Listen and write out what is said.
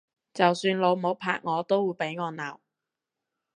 就算老母拍我都會俾我鬧！